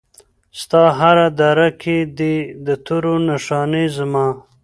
ستا هره دره کې دي د تورو نښانې زما